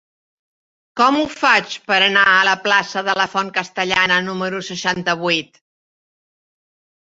Com ho faig per anar a la plaça de la Font Castellana número seixanta-vuit?